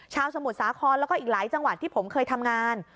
สมุทรสาครแล้วก็อีกหลายจังหวัดที่ผมเคยทำงาน